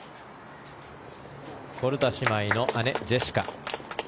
コルダ姉妹の姉・ジェシカ。